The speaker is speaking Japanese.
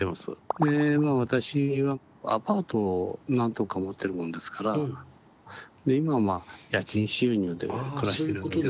で私はアパートを何棟か持ってるもんですからで今は家賃収入で暮らしてるような。